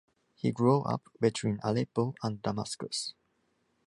He grow up between Aleppo and Damascus.